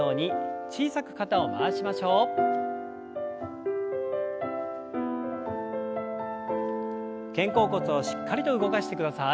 肩甲骨をしっかりと動かしてください。